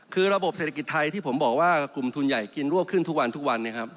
คือระบบเศรษฐกิจไทยที่ผมบอกว่ากลุ่มทุนใหญ่กินรวบขึ้นทุกวันทุกวันเนี่ยครับ